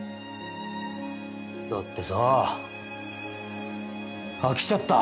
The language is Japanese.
だってさ飽きちゃった。